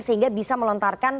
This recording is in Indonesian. sehingga bisa melontarkan